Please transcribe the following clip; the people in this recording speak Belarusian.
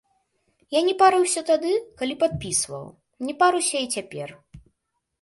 Я не парыўся тады, калі падпісваў, не паруся і цяпер.